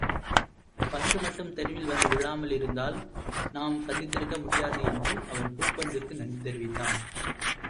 பந்துமட்டும் தெருவில் வந்து விழாமல் இருந்தால் நாம் சந்தித்திருக்க முடியாது என்று அவன் பூப்பந்துக்கு நன்றி தெரிவித்தான்.